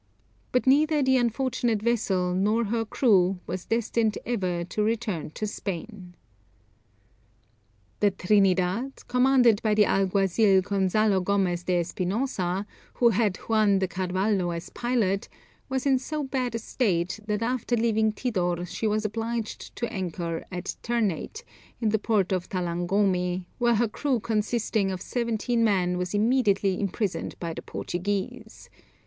But neither the unfortunate vessel nor her crew was destined ever to return to Spain. The Trinidad, commanded by the alguazil Gonzalo Gomez de Espinosa, who had Juan de Carvalho as pilot, was in so bad a state that after leaving Tidor, she was obliged to anchor at Ternate, in the port of Talangomi, where her crew consisting of seventeen men was immediately imprisoned by the Portuguese.